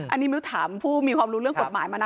อันนี้มิ้วถามผู้มีความรู้เรื่องกฎหมายมานะ